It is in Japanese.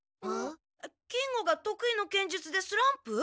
金吾がとくいの剣術でスランプ？